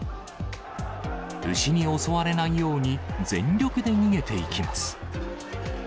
牛に襲われないように、全力で逃げていきます。